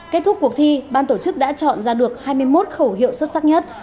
kết thúc cuộc thi ban tổ chức đã chọn ra được hai mươi một khẩu hiệu xuất sắc nhất